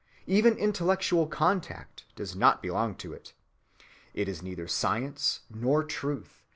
Even intellectual contact does not belong to it. It is neither science nor truth.